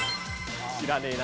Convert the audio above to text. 知らねえな。